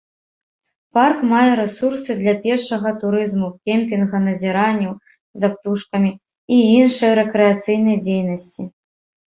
Парк мае рэсурсы для пешага турызму, кемпінга, назіранняў за птушкамі і іншай рэкрэацыйнай дзейнасці.